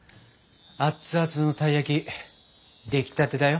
アッツアツのたい焼き出来たてだよ。